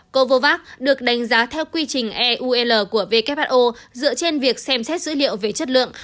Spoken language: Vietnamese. covavac được đánh giá theo quy trình eu l của who dựa trên việc xem xét dữ liệu về chất lượng